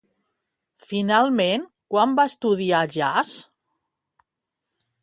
Finalment, quan va estudiar jazz?